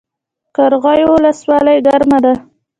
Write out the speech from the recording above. قرغیو ولسوالۍ ګرمه ده؟